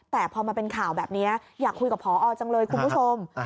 แต่พอมาเป็นข่าวแบบนี้อยากคุยกับพอจังเลยคุณผู้ชม